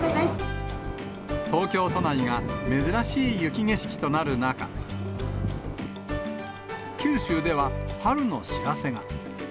東京都内が珍しい雪景色となる中、九州では春の知らせが。